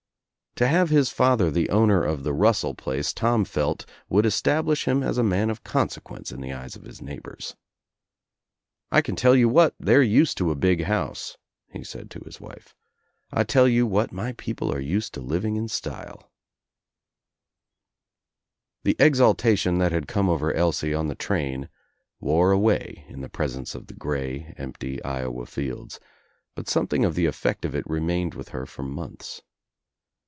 To have his father the owner of the Russell place Tom felt would establish him as a man of consequence in the eyes of his neighbors. "I can tell you what, they're used to a big house," he said to his wife. "I tell you what, my people are used to Uving in style," The exaltation that had come over Elsie on the train wore away in the presence of the grey empty Iowa fields, but something of the effect of It remained with her for months.